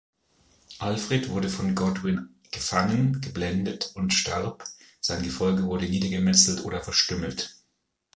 Alfred wurde von Godwin gefangen, geblendet und starb, sein Gefolge wurde niedergemetzelt oder verstümmelt.